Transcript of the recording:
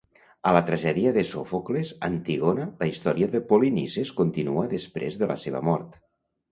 A la tragèdia de Sòfocles "Antígona", la història de Polinices continua després de la seva mort.